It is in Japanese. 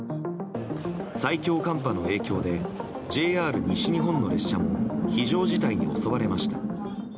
最強寒波の影響でＪＲ西日本の列車も非常事態に襲われました。